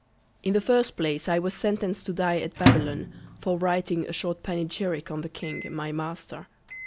In the first Place, I was sentenc'd to die at Babylon, for writing a short Panegyrick on the King, my Master.